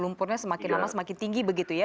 lumpurnya semakin lama semakin tinggi begitu ya